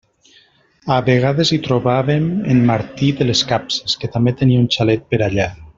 A vegades hi trobàvem en Martí de les capses, que també tenia un xalet per allà.